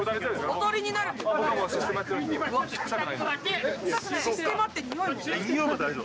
おとりになる臭いも大丈夫？